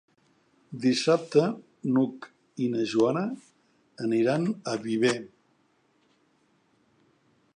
Dissabte n'Hug i na Joana aniran a Viver.